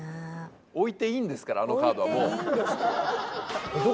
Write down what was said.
置いていいんですからあのカードはもう。